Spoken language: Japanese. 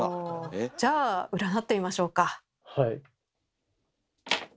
じゃあ占ってみましょうか。